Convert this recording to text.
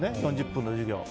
４０分の授業。